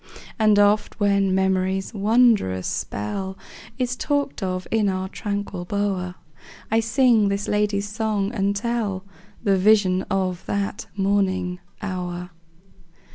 And oft when memory's wondrous spell Is talked of in our tranquil bower, I sing this lady's song, and tell The vision of that morning hour.